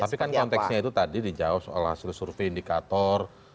tapi kan konteksnya itu tadi dijawab soal hasil survei indikator